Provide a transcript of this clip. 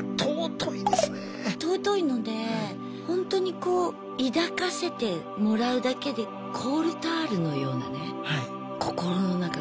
尊いのでほんとにこう抱かせてもらうだけでコールタールのようなね心の中が。